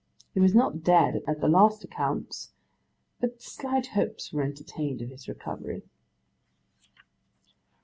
He was not dead at the last accounts, but slight hopes were entertained of his recovery.